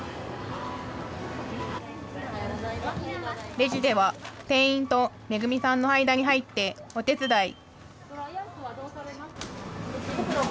レジでは店員と恵さんの間に入ってお手伝い。